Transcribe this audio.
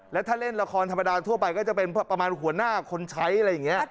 แล้วถ้าเล่นละครธรรมดาทั่วไปก็จะเป็นประมาณหัวหน้าคนใช้อะไรอย่างนี้